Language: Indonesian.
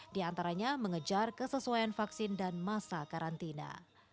di antaranya mengejar kesesuaian vaksin dan masa karantina